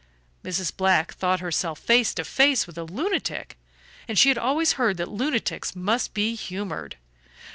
Mrs. Black thought herself face to face with a lunatic, and she had always heard that lunatics must be humored.